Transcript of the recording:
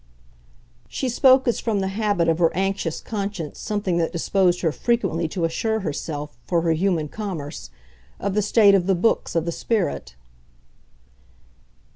She spoke as from the habit of her anxious conscience something that disposed her frequently to assure herself, for her human commerce, of the state of the "books" of the spirit.